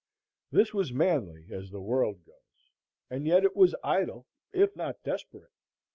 This was manly, as the world goes; and yet it was idle, if not desperate.